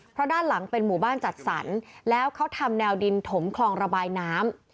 เพราะด้านหลังเป็นหมู่บ้านจัดสรรแล้วเขาทำแนวดินถมคลองระบายน้ำ